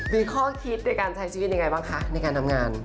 มีข้อคิดในการใช้ชีวิตยังไงบ้างคะในการทำงาน